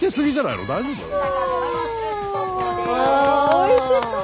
おいしそう！